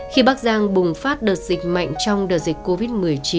khi bắc giang bùng phát đợt dịch mạnh trong đợt dịch covid một mươi chín